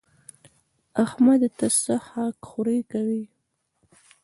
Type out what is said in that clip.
احمده! ته څه خاک ښوري کوې؟